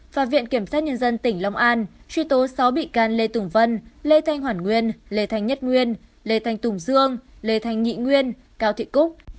và viện kiểm sát nhân dân tỉnh long an truy tố sáu bị can lê tùng vân lê thanh hoàn nguyên lê thanh nhất nguyên lê thanh tùng dương lê thanh nhị nguyên cao thị cúc